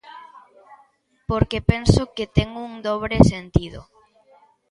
Por que penso que ten un dobre sentido.